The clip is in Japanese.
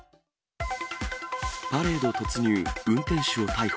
パレード突入、運転手を逮捕。